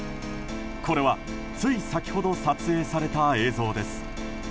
これはつい先ほど撮影された映像です。